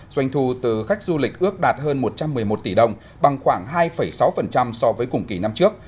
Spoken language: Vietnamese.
doanh thu từ khách du lịch ước đạt hơn một trăm một mươi một tỷ đồng bằng khoảng hai sáu so với cùng kỳ năm trước